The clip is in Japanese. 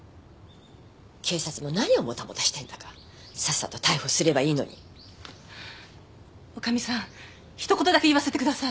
警察も何をモタモタしてんだかさっさと逮捕すればいいのに女将さんひと言だけ言わせてください